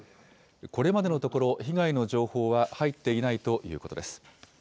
これまでのところ、被害の情報は入っていないということです。